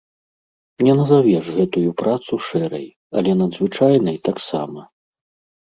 Не назавеш гэтую працу шэрай, але надзвычайнай таксама.